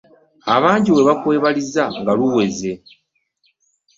Abangi we bakwebaliza nga luweze.